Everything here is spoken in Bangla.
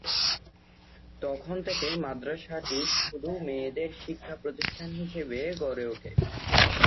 তখন থেকে মাদ্রাসাটি শুধু মেয়েদের শিক্ষা প্রতিষ্ঠান হিসাবে গড়ে ওঠে।